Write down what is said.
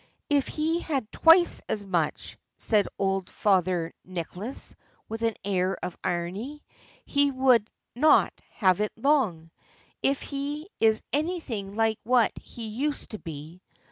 "If he had twice as much," said old father Nicholas, with an air of irony, "he would not have it long, if he is anything like what he used to be.